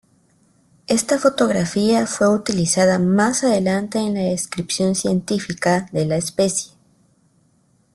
Esta fotografía fue utilizada más adelante en la descripción científica de la especie.